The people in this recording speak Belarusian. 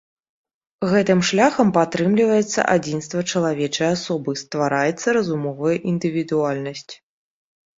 Гэтым шляхам падтрымліваецца адзінства чалавечай асобы, ствараецца разумовая індывідуальнасць.